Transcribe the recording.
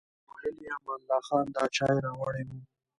ویل یې امان الله خان دا چای راوړی و.